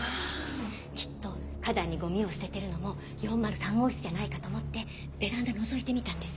きっと花壇にゴミを捨ててるのも４０３号室じゃないかと思ってベランダのぞいてみたんです。